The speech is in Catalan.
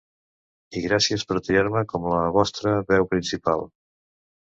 I gràcies per triar-me com la vostra veu principal.